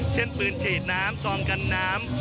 เช่นปืนฉีดน้ำซองกันน้ำ